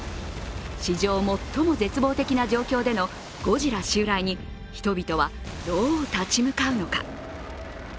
史上最も絶望的な状況でのゴジラ襲来に人々はどう立ち向かうのか。